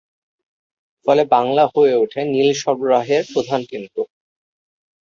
ফলে বাংলা হয়ে ওঠে নীল সরবরাহের প্রধান কেন্দ্র।